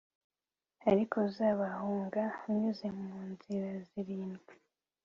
ariko uzabahunga unyuze mu nziraziri ndwi